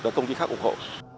và công ty khác ủng hộ